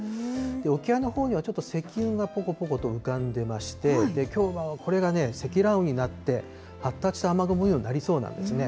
沖合のほうにはちょっと積雲がぽこぽこと浮かんでまして、きょうはこれが積乱雲になって、発達した雨雲になりそうなんですね。